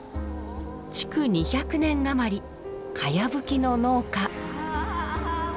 築２００年余りかやぶきの農家。